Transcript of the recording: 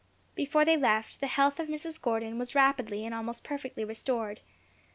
Before they left, the health of Mrs. Gordon was rapidly and almost perfectly restored.